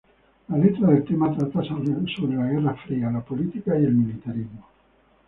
La letra del tema trata sobre la Guerra Fría, la política y el militarismo.